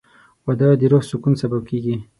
• واده د روح د سکون سبب کېږي.